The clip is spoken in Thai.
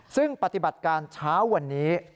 ซึ่งปฏิบัติการเช้าวันนี้